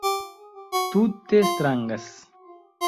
Tute strangas